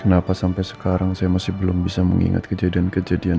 kenapa sampai sekarang saya masih belum bisa mengingat kejadian kejadian